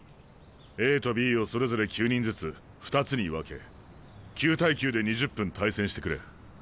ＡとＢをそれぞれ９人ずつ２つに分け９対９で２０分対戦してくれ。